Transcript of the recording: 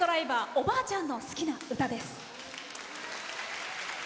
おばあちゃんの好きな歌です。